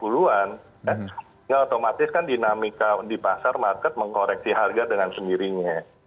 sehingga otomatis kan dinamika di pasar market mengkoreksi harga dengan sendirinya